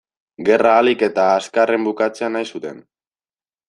Gerra ahalik eta azkarren bukatzea nahi zuten.